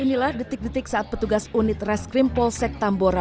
inilah detik detik saat petugas unit reskrim polsek tambora